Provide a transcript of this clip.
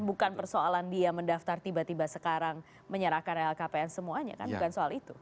bukan persoalan dia mendaftar tiba tiba sekarang menyerahkan lhkpn semuanya kan bukan soal itu